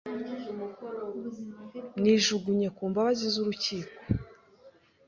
Nijugunye ku mbabazi z'urukiko.